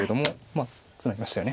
まあツナぎましたよね。